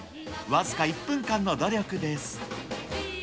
僅か１分間の努力です。